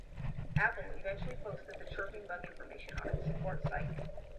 Apple eventually posted the chirping bug information on its support site.